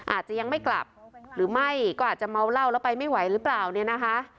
อาจจะยังไม่กลับหรือไม่ก็อาจจะเมาเหล้าแล้วไปไม่ไหวหรือเปล่าเนี่ยนะคะ